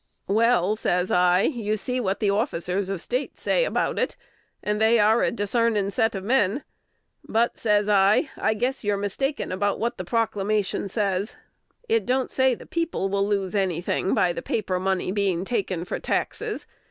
"Well," says I, "you see what the officers of State say about it, and they are a desarnin' set of men. But," says I, "I guess you're mistaken about what the proclamation says. It don't say the people will lose any thing by the paper money being taken for taxes.